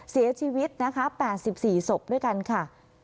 เสียชีวิตนะคะ๘๔ศพด้วยกันค่ะ